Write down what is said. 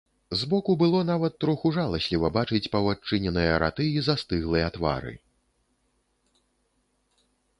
Збоку было нават троху жаласліва бачыць паўадчыненыя раты і застыглыя твары.